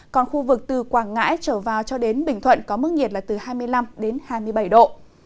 còn khu vực từ quảng ngãi trở vào cho đến bình thuận có mức nhiệt là từ hai mươi năm đến hai mươi bảy độ